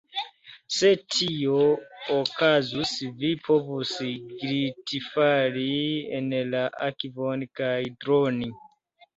Se tio okazus, vi povus glitfali en la akvon kaj droni.